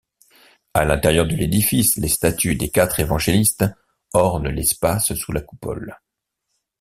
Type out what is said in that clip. À l'intérieur de l'édifice, les statues des quatre évangélistes ornent l'espace sous la coupole.